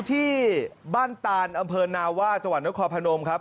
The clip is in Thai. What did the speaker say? ที่บ้านตานอำเภอนาว่าจังหวัดนครพนมครับ